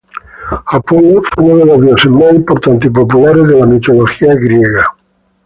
Apolo fue uno de los dioses más importantes y populares de la mitología griega.